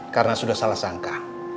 karena sudah salah sangka